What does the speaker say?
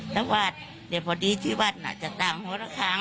ถ้าวาดพอดีที่วาดน่ะจะสั่งหัวละครั้ง